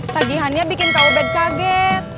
lagiannya bikin kawbed kaget